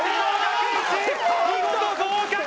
見事合格！